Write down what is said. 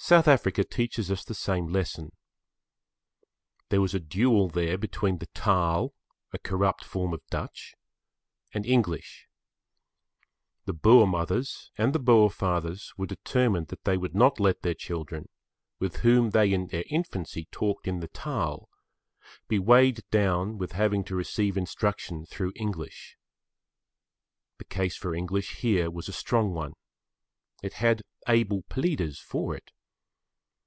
South Africa teaches us the same lesson. There was a duel there between the Taal, a corrupt form of Dutch, and English. The Boer mothers and the Boer fathers were determined that they would not let their children, with whom they in their infancy talked in the Taal, be weighed down with having to receive instruction through English. The case for English here was a strong one. It had able pleaders for it.